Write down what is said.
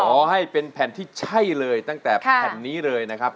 ขอให้เป็นแผ่นที่ใช่เลยตั้งแต่แผ่นนี้เลยนะครับ